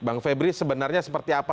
bang febri sebenarnya seperti apa